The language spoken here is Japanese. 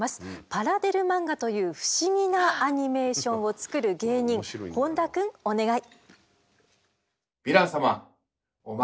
パラデル漫画という不思議なアニメーションを作る芸人本多くんお願い。